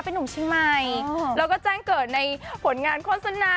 เป็นนุ่มเชียงใหม่แล้วก็แจ้งเกิดในผลงานโฆษณา